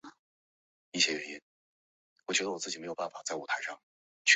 父亲叶原贞。